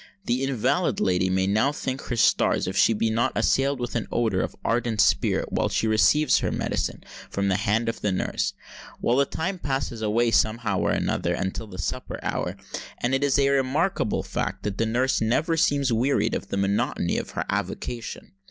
The invalid lady may now thank her stars if she be not assailed with an odour of ardent spirit while she receives her medicine from the hand of the nurse. Well, the time passes away somehow or another until the supper hour; and it is a remarkable fact, that the nurse never seems wearied of the monotony of her avocation.